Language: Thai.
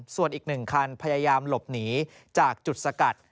ส่วนอีก๑คันพยายามหลบหนีจากจุดสกัด